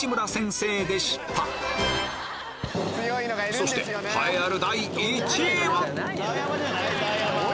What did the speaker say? そして栄えある第１位は？